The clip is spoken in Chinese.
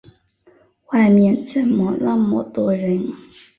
外面怎么那么多人？